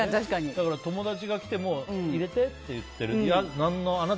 だから友達が来ても入れてって言ってる。